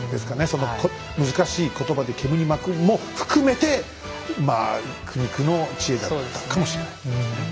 その難しい言葉でけむに巻くも含めてまあ苦肉の知恵だったかもしれないですね。